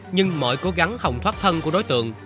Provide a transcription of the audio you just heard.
nhưng mọi cố gắng hòng thoát thân của đối tượng